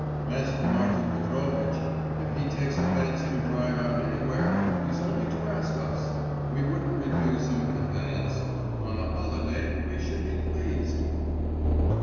As for Martin Petrovitch, if he takes a fancy to drive out anywhere, he's only to ask us. We wouldn't refuse him a conveyance. On a holiday, we should be pleased.